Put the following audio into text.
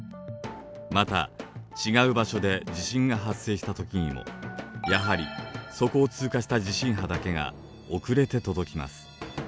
また違う場所で地震が発生したときにもやはりそこを通過した地震波だけが遅れて届きます。